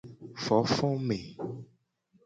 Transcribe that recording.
Fofome.